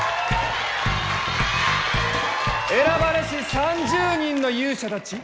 選ばれし３０人の勇者たち。